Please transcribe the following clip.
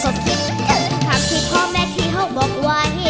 ก็คิดถึงคำที่พอแม่ที่เขาบอกว่า